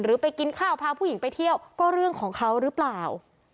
ไปกินข้าวพาผู้หญิงไปเที่ยวก็เรื่องของเขาหรือเปล่า